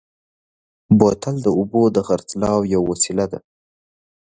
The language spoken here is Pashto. بوتل د اوبو د خرڅلاو یوه وسیله ده.